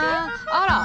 あら！